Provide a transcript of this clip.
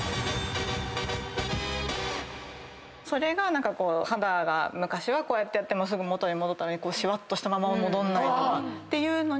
それが肌が昔はこうやってやってもすぐ元に戻ったのにしわっとしたまま戻んないとかっていうのに。